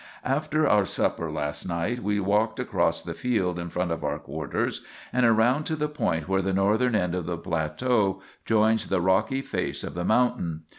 "After our supper last night we walked across the field in front of our quarters and around to the point where the northern end of the plateau joins the rocky face of the mountain.